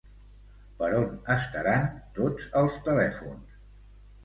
Per on estaran tots els telèfons?